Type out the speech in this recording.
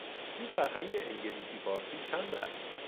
این فرهنگ انگلیسی - فارسی چند است؟